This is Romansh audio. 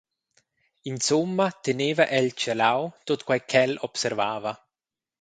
Insumma teneva el tschelau tut quei ch’el observava.